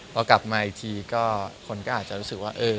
พอกลับมาอีกทีก็คนก็อาจจะรู้สึกว่า